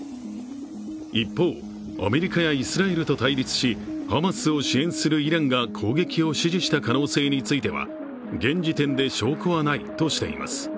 一方、アメリカやイスラエルと対立し、ハマスを支援するイランが攻撃を指示した可能性については現時点で証拠はないとしています。